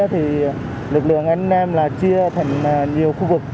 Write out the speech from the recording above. thì lực lượng anh nam là chia thành nhiều khu vực